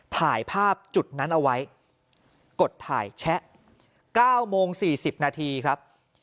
ถ่ายภาพจุดนั้นเอาไว้กดถ่ายแชะ๙โมง๔๐นาทีครับ